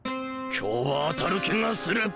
今日は当たる気がする。